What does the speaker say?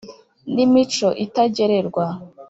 n ' imico itagererwa,